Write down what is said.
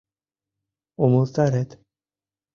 «Умылтарет...